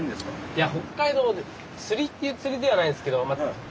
いや北海道で釣りっていう釣りではないんですけど。